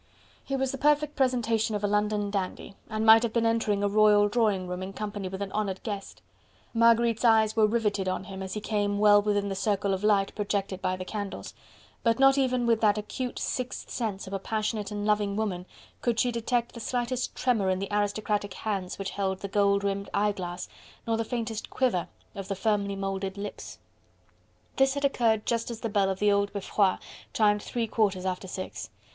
He was the perfect presentation of a London dandy, and might have been entering a royal drawing room in company with an honoured guest. Marguerite's eyes were riveted on him as he came well within the circle of light projected by the candles, but not even with that acute sixth sense of a passionate and loving woman could she detect the slightest tremor in the aristocratic hands which held the gold rimmed eyeglass, nor the faintest quiver of the firmly moulded lips. This had occurred just as the bell of the old Beffroi chimed three quarters after six.